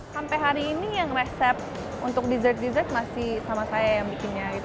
sampai hari ini yang resep untuk dessert dessert masih sama saya yang bikinnya gitu